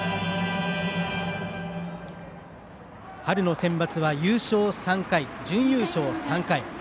春のセンバツは優勝３回準優勝３回。